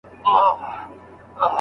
زوی به کوم بازار ته ولاړ سي؟